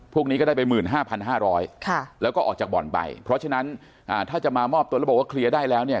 พวกนี้ก็ได้ไป๑๕๕๐๐แล้วก็ออกจากบ่อนไปเพราะฉะนั้นถ้าจะมามอบตัวแล้วบอกว่าเคลียร์ได้แล้วเนี่ย